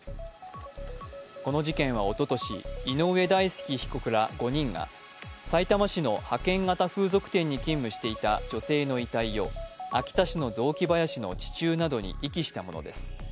この事件はおととし井上大輔被告ら５人がさいたま市の派遣型風俗店に勤務していた女性の遺体を秋田市の雑木林の地中などに遺棄したものです。